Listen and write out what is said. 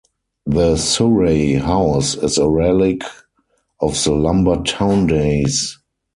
The Surrey House is a relic of the lumber town days.